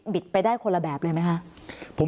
ไปได้คนละแบบเลยไหมคะ